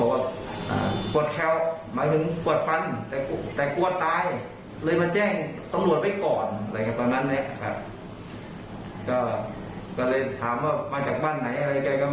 ก็บอกว่าปวดฟันต้องไปโรงพยาบาลแต่จุดผสมคือเขาจะไปแจ้งความ